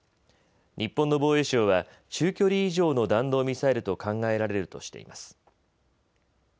日本の防衛省は、中距離以上の弾道ミサイルと考えられるとしています。